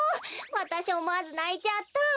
わたしおもわずないちゃったわ。